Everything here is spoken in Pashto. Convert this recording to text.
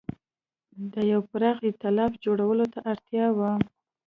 د یوه پراخ اېتلاف جوړولو ته اړتیا وه.